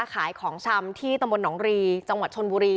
ขายของชำที่ตำบลหนองรีจังหวัดชนบุรี